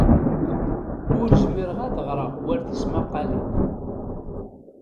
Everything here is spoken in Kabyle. Ur zmireɣ ad ɣreɣ war tismaqqalin.